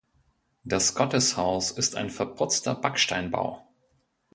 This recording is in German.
Das Gotteshaus ist ein verputzter Backsteinbau.